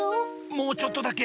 もうちょっとだけ。